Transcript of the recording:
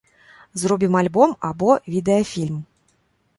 Зробім альбом або відэафільм.